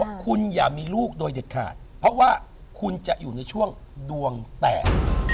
คุณอย่ามีลูกโดยเด็ดขาดเพราะว่าคุณจะอยู่ในช่วงดวงแตก